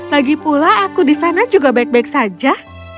lagipula aku di sana juga baik baik saja